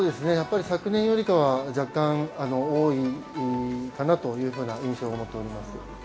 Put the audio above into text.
昨年よりかは若干多いかなという印象を持っております。